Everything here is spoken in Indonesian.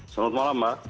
selamat malam mbak